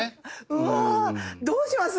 うわどうします？